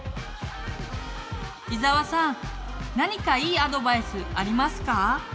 伊沢さん何かいいアドバイスありますか？